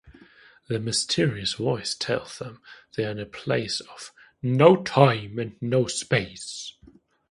The mysterious voice tells them they are in a place of "no-time and no-space".